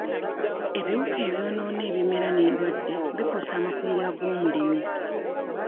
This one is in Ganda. Ebiwuka ebyonoona ebimera n'endwadde bikosa amakungula g'omulimi.